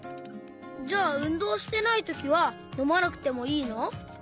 じゃあうんどうしてないときはのまなくてもいいの？